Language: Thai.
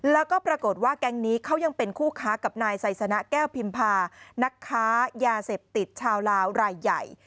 แล้วก็ปรากฏว่าแก๊งนี้เขายังเป็นคู่ค้ากับนายไซสนะแก้วพิมพานักค้ายาเสพติดชาวลาวรายใหญ่